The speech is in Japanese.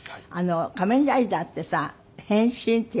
『仮面ライダー』ってさ変身ってやるじゃないの。